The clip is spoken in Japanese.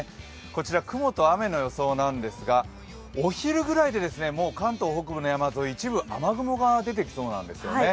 こちら雲と雨の予想なんですがお昼ぐらいで、もう関東北部の山沿いは一部雨雲が出てきそうなんですよね。